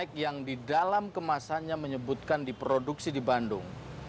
eg yang di dalam kemasannya menyebutkan diproduksi di bandung